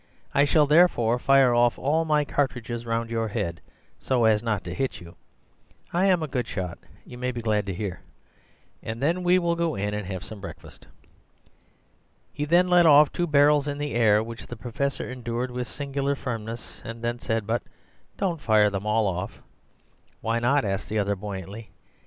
I shall therefore fire off all my cartridges round your head so as not to hit you (I am a good shot, you may be glad to hear), and then we will go in and have some breakfast.' "He then let off two barrels in the air, which the Professor endured with singular firmness, and then said, 'But don't fire them all off.' "'Why not' asked the other buoyantly.